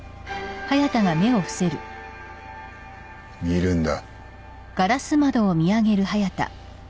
見るんだ。